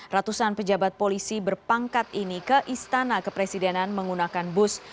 ratusan pejabat polisi berpangkat ini ke istana kepresidenan menggunakan bus